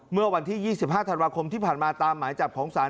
เมื่อวันที่๒๕ธันวาคมที่ผ่านมาตามหมายจับของศาล